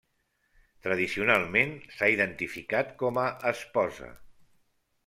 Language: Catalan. Tradicionalment s'ha identificat com a esposa.